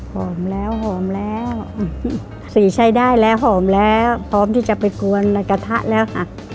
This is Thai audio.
หอมแล้วหอมแล้วสีใช้ได้แล้วหอมแล้วพร้อมที่จะไปกวนในกระทะแล้วค่ะ